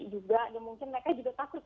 juga mungkin mereka juga takut